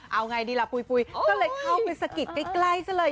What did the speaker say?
เอาง่ายดีล่ะปุยปุยก็เลยเข้าไปสกิร์ษใกล้ซะเลย